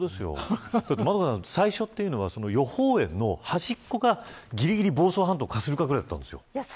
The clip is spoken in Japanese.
円香さん、最初というのは予報円の端っこがぎりぎり房総半島をかするかぐらいだったんですよ。